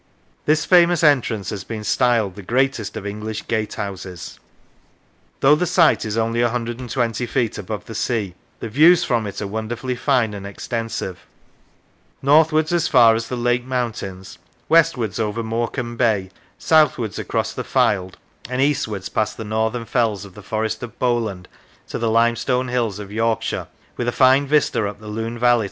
This famous entrance has been styled the greatest of English gate houses. Though the site is only 120 feet above the sea, the views from it are wonderfully fine and extensive: northwards as far as the Lake Mountains, westwards over Morecambe Bay, southwards across the Fylde, and eastwards past the northern fells of the Forest of Bowland to the limestone hills of Yorkshire, with a fine vista up the Lune valley to the north east.